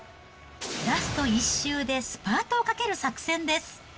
ラスト１周でスパートをかける作戦です。